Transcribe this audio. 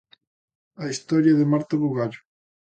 A historia de Marta Bugallo.